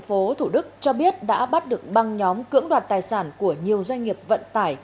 công an tp hcm cho biết đã bắt được băng nhóm cưỡng đoạt tài sản của nhiều doanh nghiệp vận tải